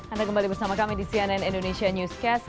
anda kembali bersama kami di cnn indonesia newscast